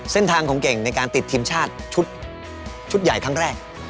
เส้นทางของเก่งในการติดทีมชาติชุดใหญ่ครั้งแรก